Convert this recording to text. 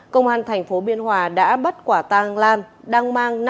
công an tp biên hòa đã bắt quả tang lan